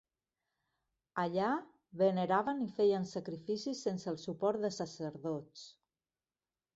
Allà, veneraven i feien sacrificis sense el suport de sacerdots.